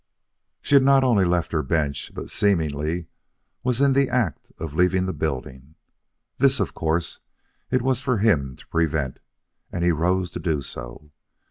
She had not only left her bench but seemingly was in the act of leaving the building. This, of course, it was for him to prevent, and he rose to do so.